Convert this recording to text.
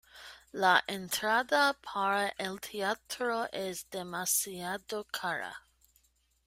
La entrada para el teatro es demasiado cara.